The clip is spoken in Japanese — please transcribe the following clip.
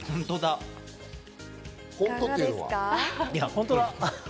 本当だ。